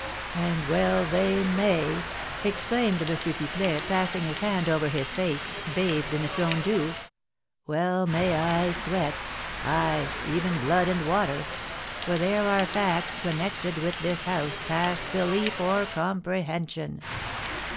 "And well they may!" exclaimed M. Pipelet, passing his hand over his face, bathed in its own dew; "well may I sweat, ay, even blood and water, for there are facts connected with this house past belief or comprehension.